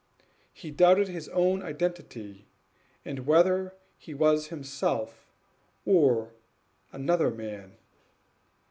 He doubted his own identity, and whether he was himself or another man.